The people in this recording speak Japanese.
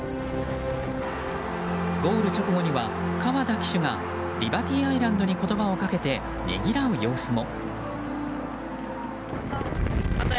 ゴール直後には川田騎手がリバティアイランドに言葉をかけて、ねぎらう様子も。